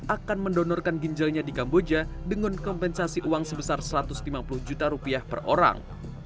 akan mendonorkan ginjalnya di kamboja dengan kompensasi uang sebesar satu ratus lima puluh juta rupiah per orang